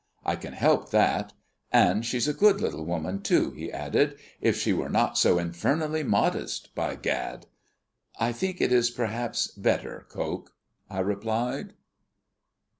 I can help that. And she's a good little woman, too," he added, "if she were not so infernally modest, by Gad." "I think it is, perhaps, better, Coke," I replied.